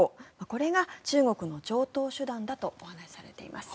これが中国の常とう手段だとお話しされています。